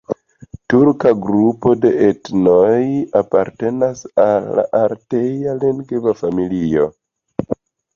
Turka grupo de etnoj apartenas al la altaja lingvofamilio.